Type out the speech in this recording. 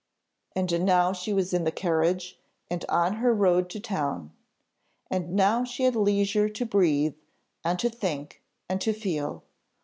And now she was in the carriage, and on her road to town. And now she had leisure to breathe, and to think, and to feel.